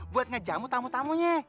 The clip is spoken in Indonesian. buat ngejamu tamu tamunya